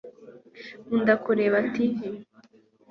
nkunda kureba tv